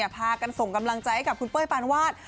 พากันส่งกำลังใจให้กับคุณเป้ยปานวาด